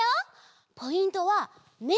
ポイントはめ！